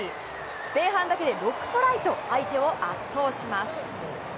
前半だけで６トライと相手を圧倒します。